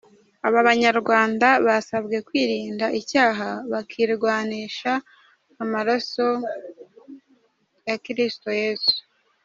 Aba banyarwanda basabwe kwirinda icyaha bakirwanisha amaraso ya Kristo Yesu.